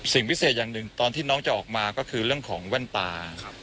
สิ่งพิเศษอย่างหนึ่งตอนที่น้องจะออกมาก็คือเรื่องของแว่นตา